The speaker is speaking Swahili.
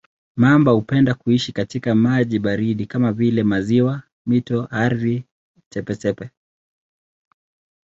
Mamba hupenda kuishi katika maji baridi kama vile maziwa, mito, ardhi tepe-tepe.